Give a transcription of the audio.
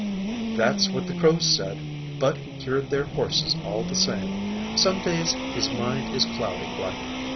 "That's what the Crows said, but he cured their horses, all the same. Some days his mind is cloudy, like.